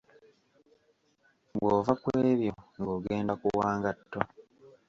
Bw’ova ku ebyo ng’ogenda ku wangatto.